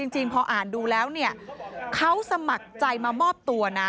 จริงพออ่านดูแล้วเนี่ยเขาสมัครใจมามอบตัวนะ